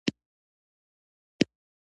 او د هېوادونو په کچه یې بیو کې هم توپیرونه شته.